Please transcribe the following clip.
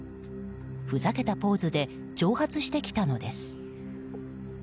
ふざけたポーズで挑発してきたのです。